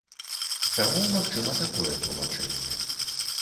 Таму магчыма такое тлумачэнне.